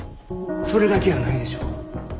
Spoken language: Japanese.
それだけやないでしょう。